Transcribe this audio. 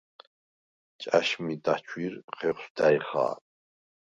ჭა̈შმი დაჩუ̂ირ ხეხუ̂ს და̈ჲ ხა̄რ.